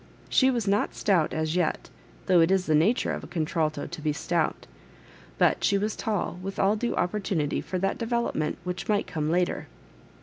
She was not stout as yet, though it is the nature of a contralto to be stout ; but she was tall, with all due opp(»tunity for that de ^ velopment which might oome later.